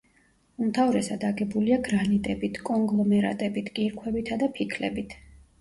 უმთავრესად აგებულია გრანიტებით, კონგლომერატებით, კირქვებითა და ფიქლებით.